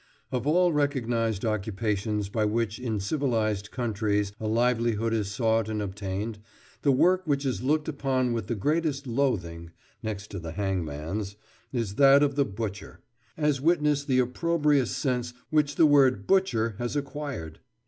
Of all recognised occupations by which in civilised countries a livelihood is sought and obtained, the work which is looked upon with the greatest loathing (next to the hangman's) is that of the butcher—as witness the opprobrious sense which the word "butcher" has acquired.